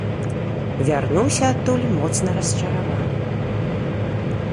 Вярнуўся адтуль моцна расчараваным.